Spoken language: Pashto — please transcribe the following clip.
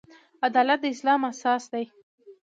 عدالت د اسلام اساس دی